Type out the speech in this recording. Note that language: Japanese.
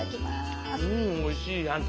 うんおいしい！って